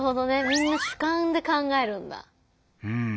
みんな主観で考えるんだ。